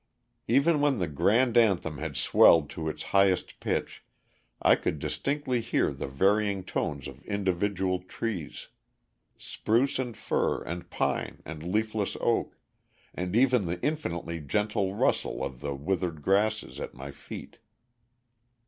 Even when the grand anthem had swelled to its highest pitch, I could distinctly hear the varying tones of individual trees, spruce and fir and pine and leafless oak, and even the infinitely gentle rustle of the withered grasses at my feet.